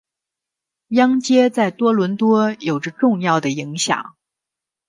央街在多伦多有着重要的影响。